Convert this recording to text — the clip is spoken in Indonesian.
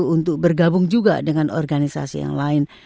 untuk bergabung juga dengan organisasi yang lain